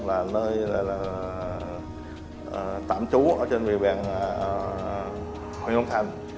là nơi tạm trú ở trên địa bàn huỳnh âu thành